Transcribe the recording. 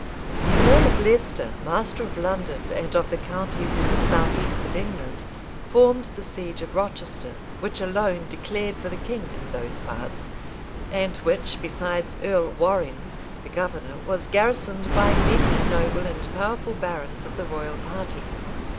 The earl of Leicester, master of London, and of the counties in the south east of England, formed the siege of Rochester, which alone declared for the king in those parts, and which, besides Earl Warrenne, the governor, was garrisoned by many noble and powerful barons of the royal party.